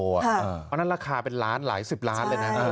อันนั้นราคาเป็นล้านหลายสิบล้านเลยนะ